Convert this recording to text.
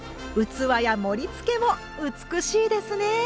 器や盛りつけも美しいですね。